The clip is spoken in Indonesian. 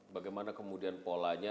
bagaimana kemudian polanya